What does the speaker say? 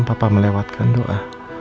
papa melewatkan doa